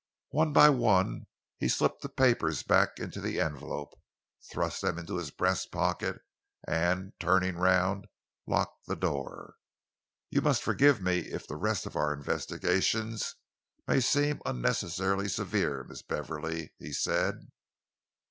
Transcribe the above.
One by one he slipped the papers back into the envelope, thrust them into his breast pocket, and, turning round, locked the door. "You must forgive me if the rest of our investigations may seem unnecessarily severe, Miss Beverley," he said.